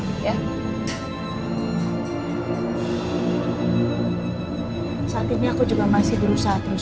saat ini aku juga masih berusaha terus